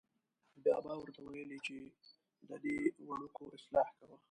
بابا ور ته ویلې چې ددې وړکو اصلاح کوه.